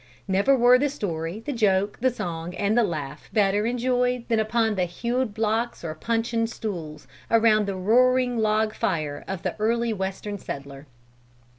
"Never were the story, the joke, the song and the laugh better enjoyed than upon the hewed blocks or puncheon stools, around the roaring log fire of the early western settler.